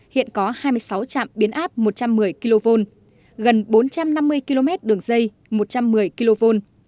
hiện có hai mươi sáu trạm biến áp một trăm một mươi kv gần bốn trăm năm mươi km đường dây một trăm một mươi kv